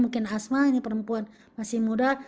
mungkin hasma ini perempuan masih muda